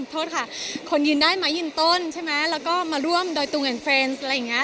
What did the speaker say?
โทษค่ะคนยืนได้ไหมยืนต้นใช่ไหมแล้วก็มาร่วมดอยตุงแอนเฟรนด์อะไรอย่างนี้